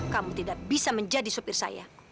kamu tidak bisa menjadi supir saya